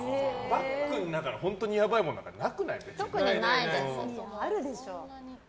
バッグの中に本当にやばいものなんかなくない別に。